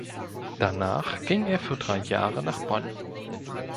Danach ging er für drei Jahre nach Bonn.